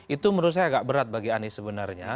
itu menurut saya agak berat bagi anies sebenarnya